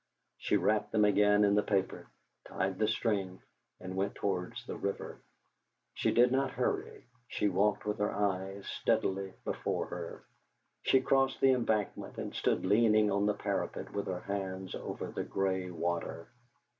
She wrapped them again in the paper, tied the string, and went towards the river. She did not hurry, but walked with her eyes steadily before her. She crossed the Embankment, and stood leaning on the parapet with her hands over the grey water.